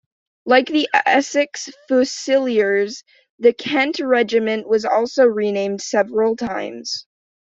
Like the Essex Fusiliers, the Kent Regiment was also renamed several times.